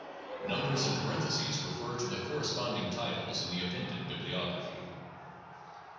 Numbers in parentheses refer to the corresponding titles in the appended bibliography. 1.